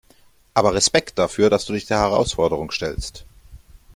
Aber Respekt dafür, dass du dich der Herausforderung stellst.